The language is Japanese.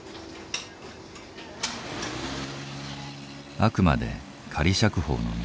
あくまで仮釈放の身。